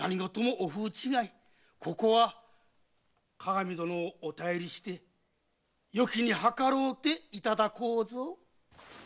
ここは各務殿をお頼りしてよきに計ろうていただこうぞ。